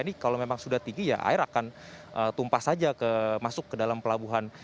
ini kalau memang sudah tinggi ya air akan tumpah saja masuk ke dalam pelabuhan